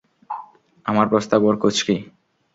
আমার প্রস্তাব ওর কুঁচকি।